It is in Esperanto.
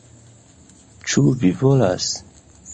Ĉu vi volas...